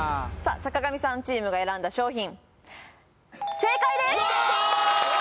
坂上さんチームが選んだ商品正解です